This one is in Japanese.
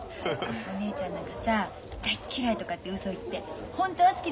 お姉ちゃんなんかさ「大嫌い」とかってうそ言って本当は好きでさ